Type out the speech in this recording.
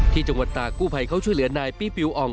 ที่จังหวัดตากู้ภัยเขาช่วยเหลือนายปี้ปิวอ่อง